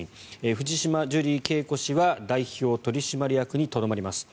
藤島ジュリー景子氏は代表取締役にとどまります。